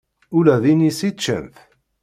Ula d inisi ččan-t.